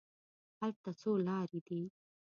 هلته څو لارې دي.